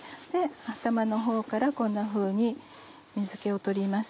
頭のほうからこんなふうに水気を取ります。